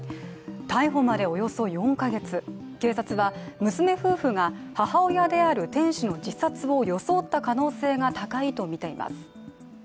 逮捕までおよそ４か月、警察は娘夫婦が母親である店主の自殺を装った可能性が高いとみています。